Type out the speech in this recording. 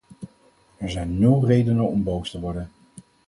Er zijn nul redenen om boos te worden.